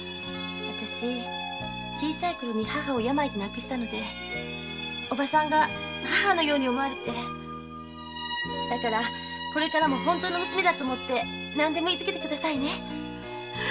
わたし小さいころに母を病で亡くしたのでおばさんが母のように思われてだからこれからも本当の娘だと思って何でもいいつけてくださいね。